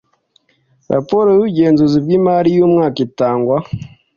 raporo y ubugenzuzi bw imari y umwaka itangwa